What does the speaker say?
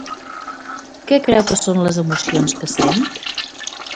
Què creu que són les emocions que sent?